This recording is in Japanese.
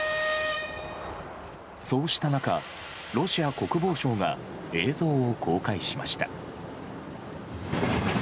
そうした中、ロシア国防省が映像を公開しました。